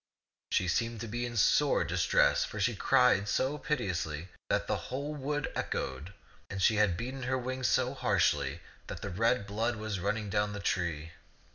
She seemed to be in sore dis tress ; for she cried so piteously that the whole wood echoed, and she had beaten her wings so harshly that the red blood was running down the tree.